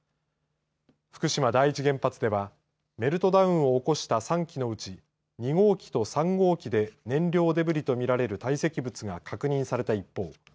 福島第一原発ではメルトダウンを起こした３基のうち２号機と３号機で燃料デブリとみられる堆積物が確認された一方